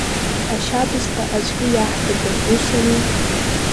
Ашьабсҭа аӡәгьы иаҳҭаӡом, усами?